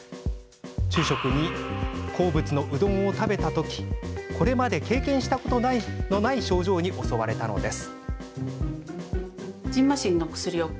昼食に好物のうどんを食べた時これまで経験したことのない症状に襲われたのです。